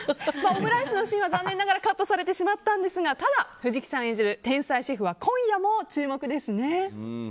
オムライスのシーンは残念ながらカットされてしまったんですが藤木さん演じる天才シェフは今夜も注目ですね。